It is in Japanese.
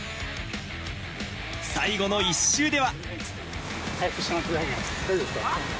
最後の１周では。